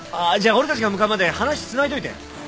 じゃあ俺たちが向かうまで話つないどいて。